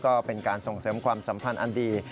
ก็เป็นการส่งเสริมความสัมพันธ์อันดี